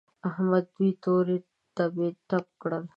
احمد دوی تورې تبې تپ کړل.